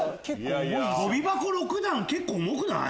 跳び箱６段結構重くない？